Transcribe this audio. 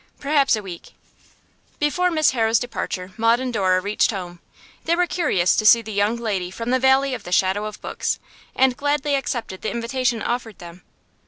'Perhaps a week.' Before Miss Harrow's departure Maud and Dora reached home. They were curious to see the young lady from the valley of the shadow of books, and gladly accepted the invitation offered them.